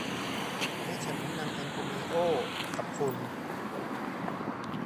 ให้ฉันแนะนำแอนโทนีโอ้กับคุณ